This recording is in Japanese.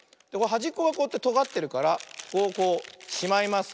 はじっこがこうやってとがってるからここをこうしまいます。